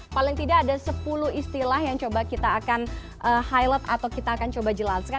paling tidak ada sepuluh istilah yang coba kita akan highlight atau kita akan coba jelaskan